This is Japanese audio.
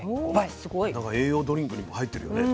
なんか栄養ドリンクにも入ってるよね